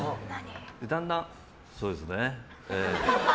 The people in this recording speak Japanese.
だんだん、そうですね。